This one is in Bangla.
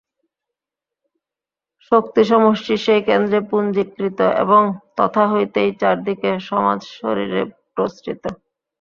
শক্তিসমষ্টি সেই কেন্দ্রে পুঞ্জীকৃত এবং তথা হইতেই চারিদিকে সমাজশরীরে প্রসৃত।